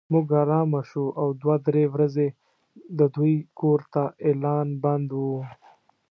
موږ ارامه شوو او دوه درې ورځې د دوی کور ته اعلان بند و.